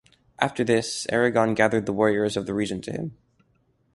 After this, Aragorn gathered the warriors of the region to him.